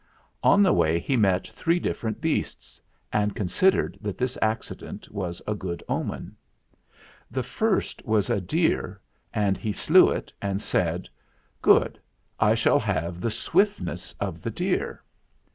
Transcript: On the way he met three different beasts, and considered that this accident was a good omen. The first was a deer, and he slew it and said, "Good, I shall have the swiftness of the deer."